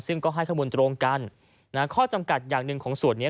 ซึ่งก็ให้ข้อมูลตรงกันนะฮะข้อจำกัดอย่างหนึ่งของส่วนนี้